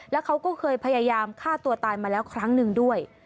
แล้วเขาก็เคยพยายามฆ่าตัวตายมาแล้วครั้งหนึ่งด้วย